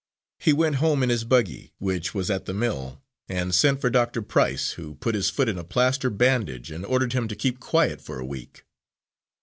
He went home in his buggy, which was at the mill, and sent for Doctor Price, who put his foot in a plaster bandage and ordered him to keep quiet for a week.